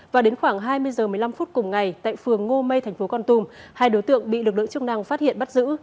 và đến khoảng hai mươi h một mươi năm phút cùng ngày tại phường ngô mây thành phố con tum hai đối tượng bị lực lượng chức năng phát hiện bắt giữ